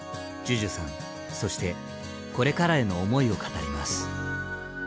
ＪＵＪＵさんそしてこれからへの思いを語ります。